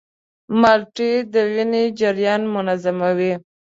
مالټې د وینې جریان منظموي.